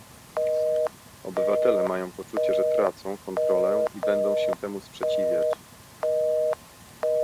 Obywatele mają poczucie, że tracą kontrolę i będą się temu sprzeciwiać